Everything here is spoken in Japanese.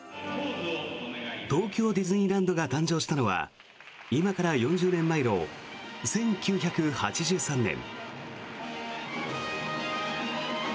東京ディズニーランドが誕生したのは今から４０年前の１９８３年。